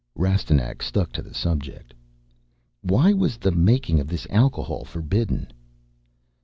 Rastignac stuck to the subject "Why was the making of this alcohol forbidden?"